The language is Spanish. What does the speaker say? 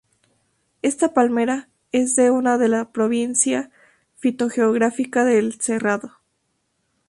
Esta palmera es un de la provincia fitogeográfica del cerrado.